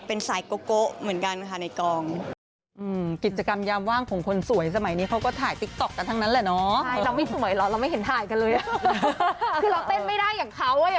เป็นสายโก๊ะเหมือนกันค่ะในกล่อง